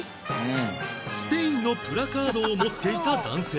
スペインのプラカードを持っていた男性